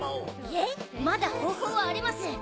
いえまだ方法はあります。